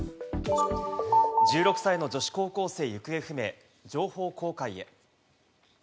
１６歳の女子高校生行方不明、情報公開へ。